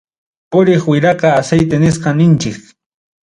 Puriq wiraqa aceite nisqam ninchik.